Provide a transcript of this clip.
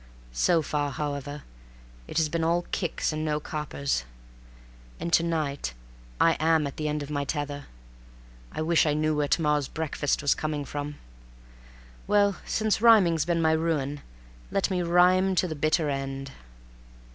So far, however, it has been all kicks and no coppers. And to night I am at the end of my tether. I wish I knew where to morrow's breakfast was coming from. Well, since rhyming's been my ruin, let me rhyme to the bitter end.